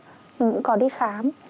mình cũng có đi khám